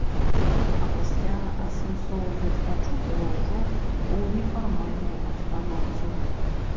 А пасля асэнсоўваць пачутае ўжо ў нефармальнай абстаноўцы.